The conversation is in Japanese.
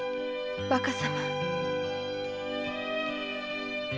若様。